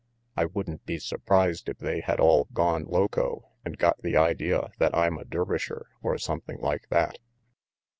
I wouldn't be surprised if they had all gone loco and got the idea that I'm a Dervisher or something like that."